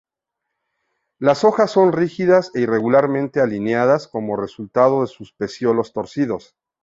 Las hojas son rígidas e irregularmente alineadas como resultado de sus pecíolos torcidos.